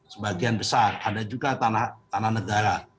sebagian besar ada juga tanah negara